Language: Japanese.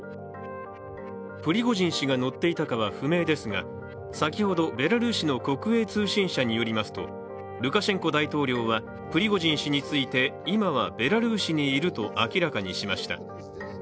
プリゴジン氏が乗っていたかは不明ですが先ほど、ベラルーシの国営通信社によりますと、ルカシェンコ大統領はプリゴジン氏について、今はベラルーシにいると明らかにしました。